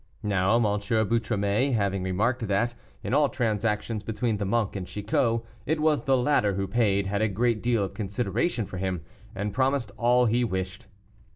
Now M. Boutromet, having remarked that, in all transactions between the monk and Chicot, it was the latter who paid, had a great deal of consideration for him, and promised all he wished.